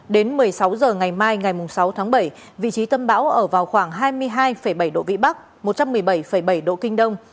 đến một mươi sáu h ngày mai ngày sáu tháng bảy vị trí tâm bão ở vào khoảng hai mươi hai bảy độ vĩ bắc một trăm một mươi bảy bảy độ kinh đông